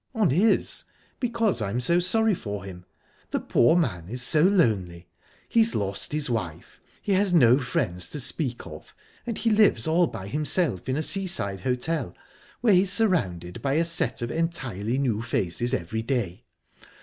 "On his because I'm so sorry for him. The poor man is so lonely. He's lost his wife, he has no friends to speak of, and he lives all by himself in a seaside hotel, where he's surrounded by a set of entirely new faces every day.